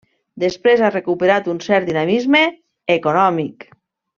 Després ha recuperat un cert dinamisme econòmic.